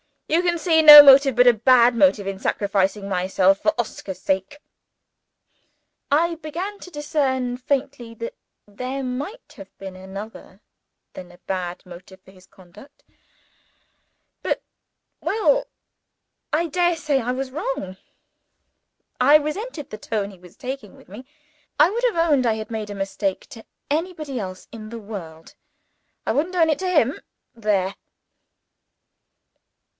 You can see no motive but a bad motive in my sacrificing myself for Oscar's sake?" I began to discern faintly that there might have been another than a bad motive for his conduct. But well! I dare say I was wrong; I resented the tone he was taking with me; I would have owned I had made a mistake to anybody else in the world; I wouldn't own it to him. There!